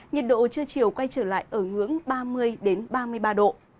nhiệt độ trưa chiều quay trở lại ở ngưỡng ba mươi ba mươi ba độ